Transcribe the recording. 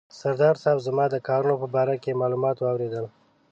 سردار صاحب زما د کارونو په باره کې معلومات واورېدل.